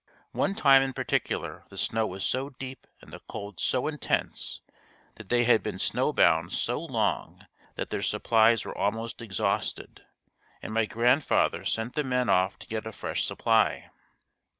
One time in particular the snow was so deep and the cold so intense that they had been snowbound so long that their supplies were almost exhausted, and my grandfather sent the men off to get a fresh supply.